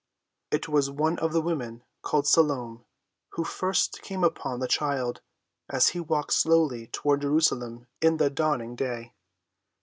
It was one of the women, called Salome, who first came upon the child as he walked slowly toward Jerusalem in the dawning day.